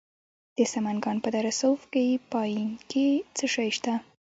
د سمنګان په دره صوف پاین کې څه شی شته؟